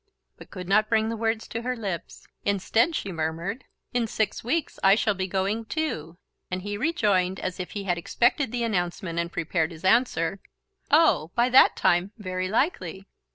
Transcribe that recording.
but could not bring the words to her lips. Instead she murmured: "In six weeks I shall be going too..." and he rejoined, as if he had expected the announcement and prepared his answer: "Oh, by that time, very likely..."